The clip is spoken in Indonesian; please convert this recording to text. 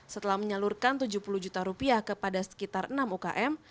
setelah menyalurkan tujuh puluh juta rupiah kepada sekitar enam ukm